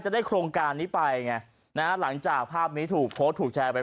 ได้โครงการนี้ไปไงนะฮะหลังจากภาพนี้ถูกโพสต์ถูกแชร์ไป